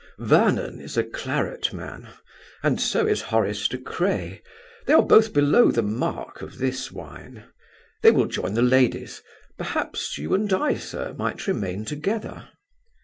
"Vernon is a claret man; and so is Horace De Craye. They are both below the mark of this wine. They will join the ladies. Perhaps you and I, sir, might remain together."